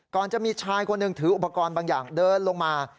จะมีชายคนหนึ่งถืออุปกรณ์บางอย่างเดินลงมา